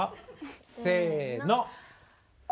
せの。